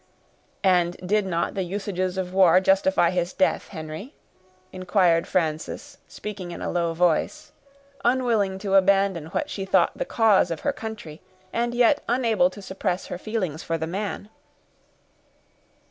"And did not the usages of war justify his death, Henry?" inquired Frances, speaking in a low voice, unwilling to abandon what she thought the cause of her country, and yet unable to suppress her feelings for the man.